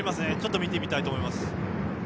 見てみたいと思います。